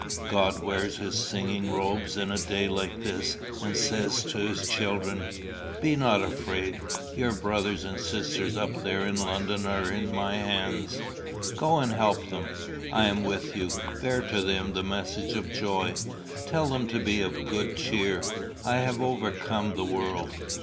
God wears his singing robes in a day like this, and says to his children, 'Be not afraid: your brothers and sisters up there in London are in my hands; go and help them. I am with you. Bear to them the message of joy. Tell them to be of good cheer: I have overcome the world.